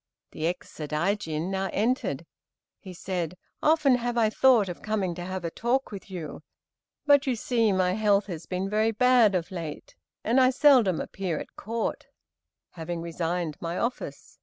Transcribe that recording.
The ex Sadaijin now entered. He said, "Often have I thought of coming to have a talk with you, but you see my health has been very bad of late, and I seldom appear at Court, having resigned my office.